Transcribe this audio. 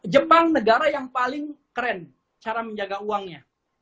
jepang negara yang paling keren cara menjaga uangnya